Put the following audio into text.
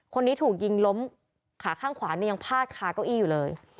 คนนี้ถูกยิงล้มขาข้างขวาเนี่ยยังพาดคาเก้าอี้อยู่เลย